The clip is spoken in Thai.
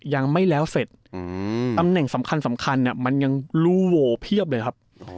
ยังไม่แล้วเสร็จตำแหน่งสำคัญสำคัญมันยังรูโหวเพียบเลยครับ